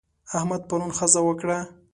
احمد پرون ښځه وکړه.